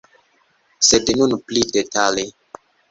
Sed nun pli detale.